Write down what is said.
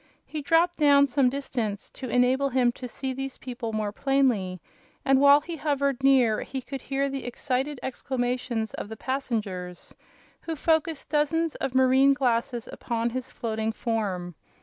He dropped down some distance, to enable him to see these people more plainly, and while he hovered near he could hear the excited exclamations of the passengers, who focused dozens of marine glasses upon his floating form.